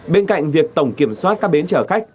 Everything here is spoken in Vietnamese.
bên cạnh việc tổng kiểm soát các bến chở khách